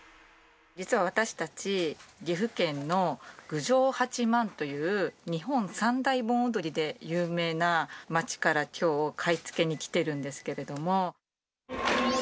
実は私たち、岐阜県の郡上八幡という日本三大盆踊りで有名な街からきょう、買い付けに来ているんですけれども。